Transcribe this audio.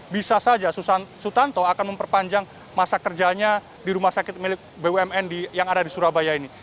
bisa saja sutanto akan memperpanjang masa kerjanya di rumah sakit milik bumn yang ada di surabaya ini